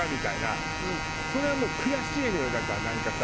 それはもう悔しいのよだからなんかさ。